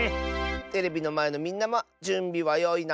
テレビのまえのみんなもじゅんびはよいな。